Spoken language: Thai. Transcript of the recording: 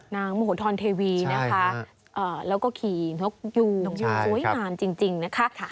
โมโหทรเทวีนะคะแล้วก็ขี่นกยูงสวยงามจริงนะคะ